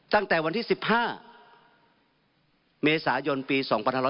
ตั้งแต่วันที่๑๕เมษายนปี๒๕๖๐